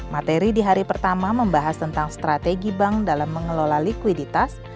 materi di hari pertama membahas tentang strategi bank dalam mengelola likuiditas